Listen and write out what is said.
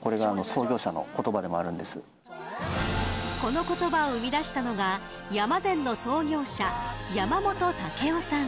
この言葉を生み出したのが山善の創業者山本猛夫さん。